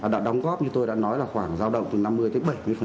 đã đóng góp như tôi đã nói là khoảng giao động từ năm mươi tới bảy mươi